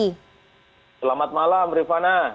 selamat malam ripana